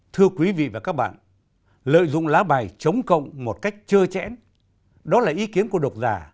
thưa quý vị và các bạn lợi dụng lá bài chống cộng một cách chưa chẽn đó là ý kiến của độc giả